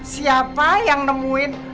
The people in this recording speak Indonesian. siapa yang nemuin